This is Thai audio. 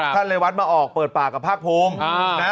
ท่านเลวัฒน์มาออกเปิดปากกับภาคภูมิ